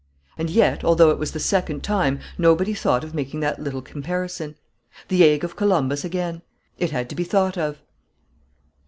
And yet, although it was the second time, nobody thought of making that little comparison. The egg of Columbus again! It had to be thought of!"